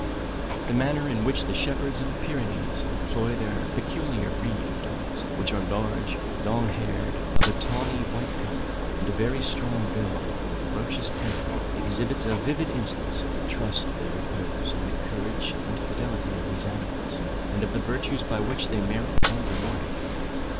The manner in which the shepherds of the Pyrenees employ their peculiar breed of dogs, which are large, long haired, of a tawny white colour, and a very strong build, with a ferocious temper, exhibits a vivid instance of the trust they repose in the courage and fidelity of these animals, and of the virtues by which they merit and reward it.